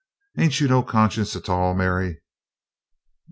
Ain't you no conscience a tall, Mary?"